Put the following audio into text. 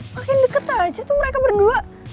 makin deket aja tuh mereka berdua